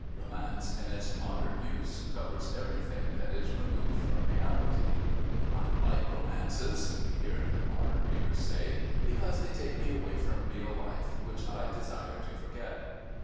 Romance, in its modern use, covers everything that is removed from reality: "I like romances," we hear the modern reader say, "because they take me away from real life, which I desire to forget."